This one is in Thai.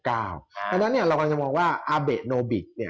เพราะฉะนั้นเรากำลังจะมองว่าอาเบะโนบิก